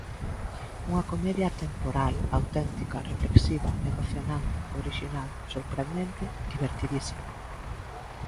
Unha comedia atemporal, auténtica, reflexiva, emocionante, orixinal, sorprendente, divertidísima.